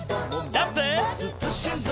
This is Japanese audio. ジャンプ！